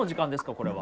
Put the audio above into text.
これは。